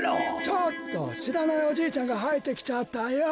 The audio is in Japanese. ちょっとしらないおじいちゃんがはいってきちゃったよ。